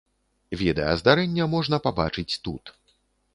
Відэа здарэння можна пабачыць тут.